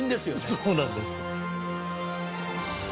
そうなんです。